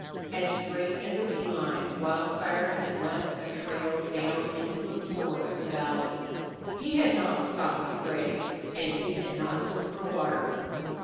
As straight as a bee line Wildfire had left a trail down into the floor of the valley. He had not stopped to graze, and he had not looked for water.